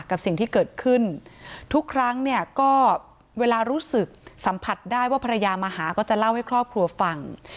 กับสิ่งที่เกิดขึ้นทุกครั้งเนี่ยก็เวลารู้สึกสัมผัสได้ว่าภรรยามาหาก็จะเล่าให้ครอบครัวฟัง